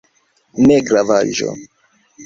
Ne gravaĵo!